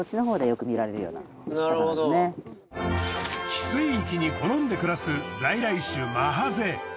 汽水域に好んで暮らす在来種マハゼ。